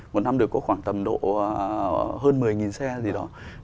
một năm được có khoảng tầm độ hơn một mươi xe gì đó